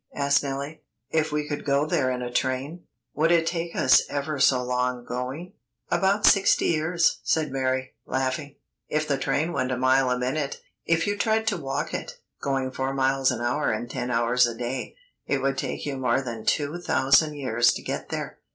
asked Nellie. "If we could go there in a train, would it take us ever so long going?" "About sixty years," said Mary, laughing, "if the train went a mile a minute. If you tried to walk it, going four miles an hour and ten hours a day, it would take you more than two thousand years to get there.